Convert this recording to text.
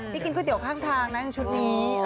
ไปกินคุยเตี๋ยวข้างทางนะชุดนี้